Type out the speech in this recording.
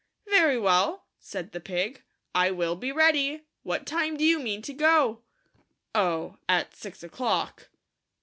"Very well," said the pig, "I will be ready. What time do you mean to go?" ' Oh, at six o'clock."